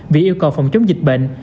vì yêu cầu phòng chống dịch bệnh